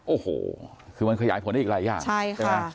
โอ้โหคือมันขยายผลได้อีกหลายอย่างใช่ไหม